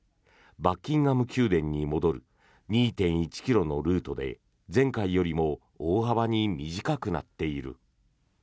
バッキンガム宮殿に戻る２．１ｋｍのルートで前回よりも大幅に短くなっている。